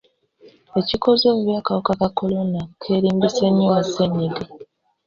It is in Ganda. Ekikoze obubi akawuka ka Corona keerimbise nnyo mu ssenyiga.